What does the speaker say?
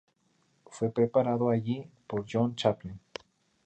Fue preparado allí por John Chaplin.